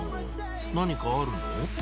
何かあるの？